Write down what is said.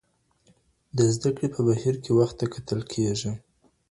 د زده کړي په بهیر کي وخت ته کتل کېږي.